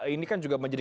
ini kan juga menjadi